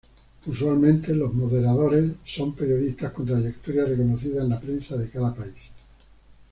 Usualmente, los moderadores son periodistas con trayectoria reconocida en la prensa de cada país.